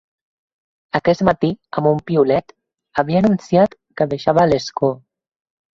Aquest matí, amb un piulet, havia anunciat que deixava l’escó.